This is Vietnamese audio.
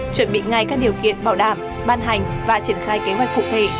chuẩn bị ngay các điều kiện bảo đảm ban hành và triển khai kế hoạch cụ thể